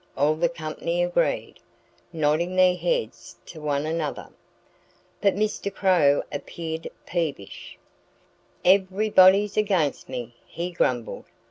all the company agreed, nodding their heads to one another. But Mr. Crow appeared peevish. "Everybody's against me," he grumbled.